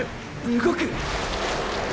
動く！